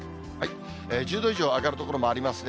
１０度以上上がる所もありますね。